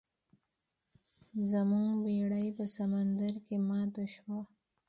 زموږ بیړۍ په سمندر کې ماته شوه.